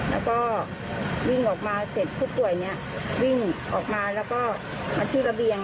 แล้วก็วิ่งออกมาเสร็จผู้ป่วยเนี่ยวิ่งออกมาแล้วก็มาที่ระเบียง